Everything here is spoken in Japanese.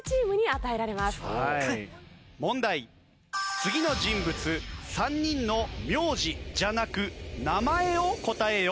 次の人物３人の名字じゃなく名前を答えよ。